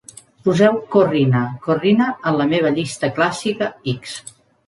Poseu Corrina, Corrina en la meva llista clàssica x.